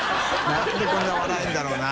覆鵑こんな笑えるんだろうな。